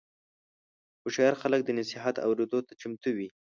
هوښیار خلک د نصیحت اورېدو ته چمتو وي.